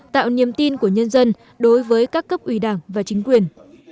tạo niềm tin của nhân dân đối với các cấp ủy đảng và chính quyền